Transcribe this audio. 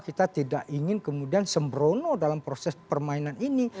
kita tidak ingin kemudian sembrono dalam proses permainan ini